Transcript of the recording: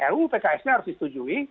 ruu pks nya harus disetujui